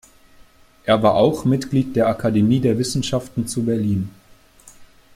Er war auch Mitglied der Akademie der Wissenschaften zu Berlin.